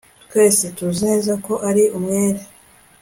Twese tuzi neza ko ari umwere